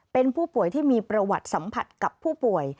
เป็นผู้ป่วยที่มีประวัติสัมผัสกับผู้ป่วย